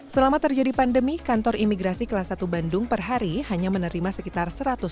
selama terjadi pandemi kantor imigrasi kelas satu bandung per hari hanya menerima sekitar seratus